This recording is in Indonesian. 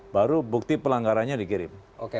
baru bukti pelanggarannya dikirim